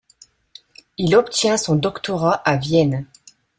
Il obtient son doctorat à Vienne.